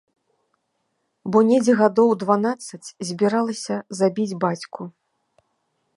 Бо недзе гадоў у дванаццаць збіралася забіць бацьку.